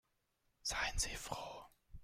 Seien Sie froh.